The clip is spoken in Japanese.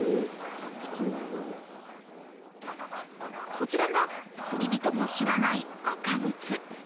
こちらが、釣り人も知らないアカグツ。